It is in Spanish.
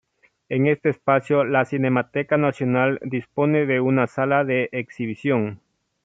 En este espacio la Cinemateca Nacional dispone de una sala de exhibición.